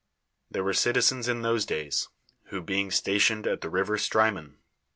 There were citizens in those days, who. bein<,' stationed at the river Strymon.